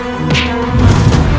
perasaan semua saping kayak gini